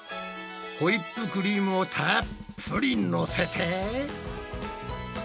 ホイップクリームをたっぷりのせて。